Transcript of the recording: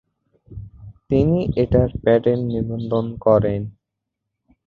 তিনি এটার প্যাটেন্ট নিবন্ধন করেন।